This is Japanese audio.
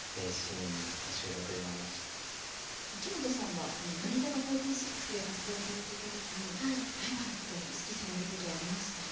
秋元さんはこの乃木坂４６で活動されていた時にライバルって意識されることはありました？